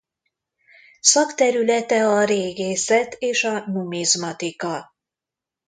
Szakterülete a régészet és a numizmatika.